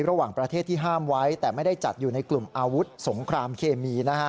ระหว่างประเทศที่ห้ามไว้แต่ไม่ได้จัดอยู่ในกลุ่มอาวุธสงครามเคมีนะฮะ